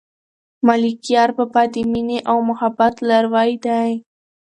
ملکیار بابا د مینې او محبت لاروی دی.